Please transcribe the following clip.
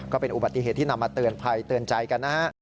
ก็เป็นอุบัติเหตุที่นำมาเตือนภัยเตือนใจกันนะฮะ